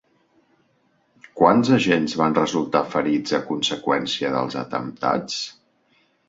Quants agents van resultar ferits a conseqüència dels atemptats?